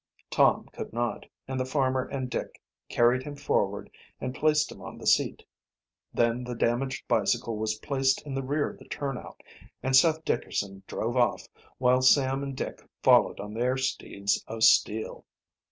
Tom could not, and the farmer and Dick carried him forward and placed him on the seat. Then the damaged bicycle was placed in the rear of the turnout, and Seth Dickerson drove off, while Sam and Dick followed on their steeds of steel.